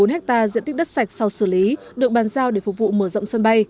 ba mươi hai bốn hectare diện tích đất sạch sau xử lý được bàn giao để phục vụ mở rộng sân bay